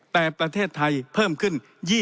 แต่ประเทศไทยเพิ่มขึ้น